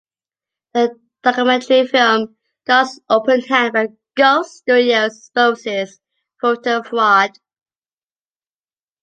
The documentary film "God's Open Hand" by Ghost Studios exposes voter fraud.